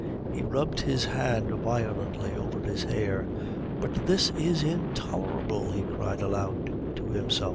He rubbed his hand violently over his hair. "But this is intolerable!" he cried aloud to himself.